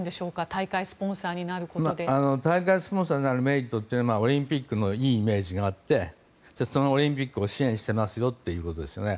大会スポンサーになるメリットはオリンピックのいいイメージがあってそのオリンピックを支援してますよということですよね。